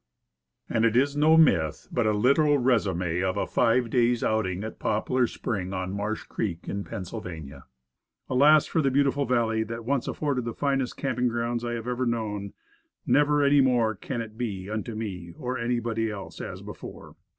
And it is no myth; but a literal resume of a five days' outing at Poplar Spring, on Marsh Creek, in June, i860. Alas, for the beautiful valley, that once afforded the finest camping grounds I have ever known. "Never any more Can it be Unto me (or anybody else) As before."